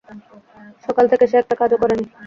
সকাল থেকে সে একটা কাজও শেষ করেনি।